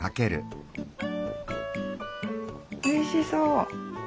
おいしそう！